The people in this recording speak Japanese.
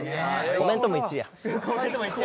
コメントも１位や。